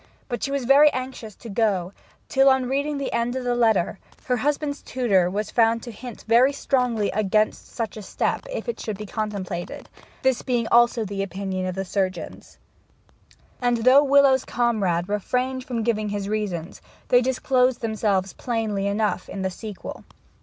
But she was anxious to go till, on reading to the end of the letter, her husband's tutor was found to hint very strongly against such a step if it should be contemplated, this being also the opinion of the surgeons. And though Willowes's comrade refrained from giving his reasons, they disclosed themselves plainly enough in the sequel.